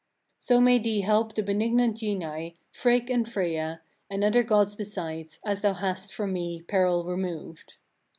10. "So may thee help the benignant genii, Frigg and Freyia, and other gods besides, as thou hast from me peril removed!"